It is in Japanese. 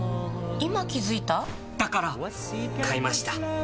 今気付いた？だから！買いました。